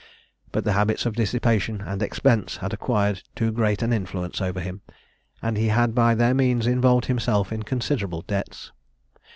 But the habits of dissipation and expense had acquired too great an influence over him; and he had by their means involved himself in considerable debts.